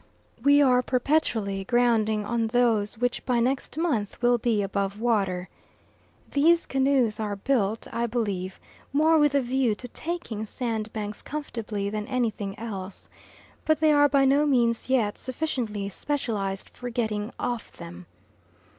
We are perpetually grounding on those which by next month will be above water. These canoes are built, I believe, more with a view to taking sandbanks comfortably than anything else; but they are by no means yet sufficiently specialised for getting off them.